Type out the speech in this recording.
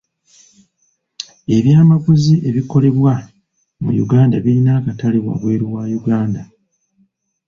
Ebyamaguzi ebikolebwa mu Uganda bilina akatale waabweru wa Uganda.